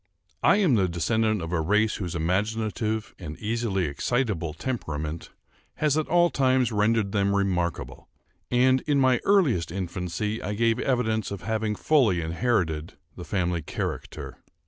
I am the descendant of a race whose imaginative and easily excitable temperament has at all times rendered them remarkable; and, in my earliest infancy, I gave evidence of having fully inherited the family character.